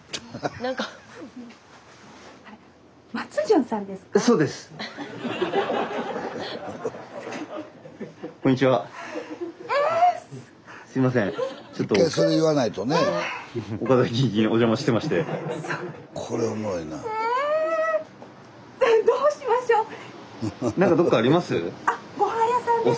何かどっかあります？